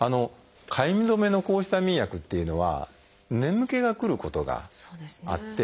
かゆみ止めの抗ヒスタミン薬っていうのは眠気がくることがあって。